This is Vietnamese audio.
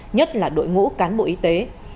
nhất là đội ngũ cán bộ y tế